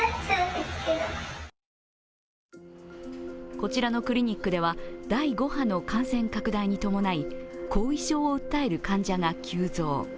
こちらのクリニックでは第５波の感染拡大に伴い、後遺症を訴える患者が急増。